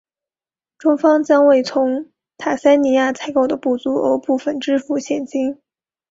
中方将为从坦桑尼亚采购的不足额部分支付现金。